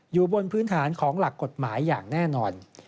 อยู่บนพื้นฐานของหลักกฎหมายอย่างแน่นอน